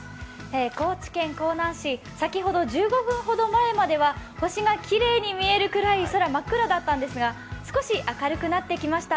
高知県香南市、先ほど１５分ほど前までは星がきれいに見えるくらい空、真っ黒だったんですが少し明るくなってきました。